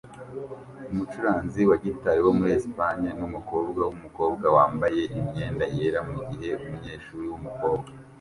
Umucuranzi wa gitari wo muri Espagne numukobwa wumukobwa wambaye imyenda yera mugihe umunyeshuri wumukobwa akora serape